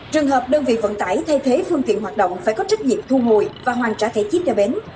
trường hợp đơn vị vận tải thay thế phương tiện hoạt động phải có trách nhiệm thu hồi và hoàn trả thẻ chip cho bến